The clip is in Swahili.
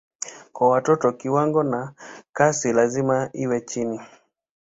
Kwa watoto kiwango na kasi lazima iwe chini.